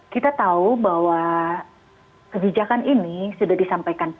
kita tahu bahwa kebijakan ini sudah disampaikan